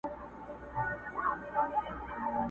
په خپل ځان پسي یې بنده حُجره کړه،